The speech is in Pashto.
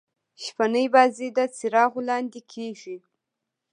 شپنۍ بازۍ د څراغو لانديکیږي.